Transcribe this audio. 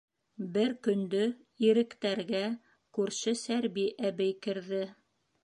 Бер көндө Иректәргә күрше Сәрби әбей керҙе.